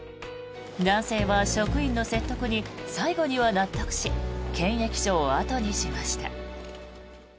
男性は職員の説得に最後には納得し検疫所を後にしました。